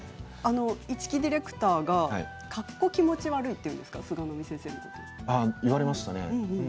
一木ディレクターがかっこ気持ち悪いというふうに言われましたね。